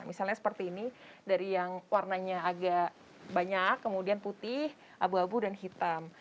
misalnya seperti ini dari yang warnanya agak banyak kemudian putih abu abu dan hitam